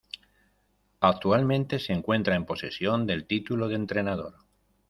Actualmente, se encuentra en posesión del título de entrenador.